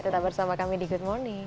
tetap bersama kami di good morning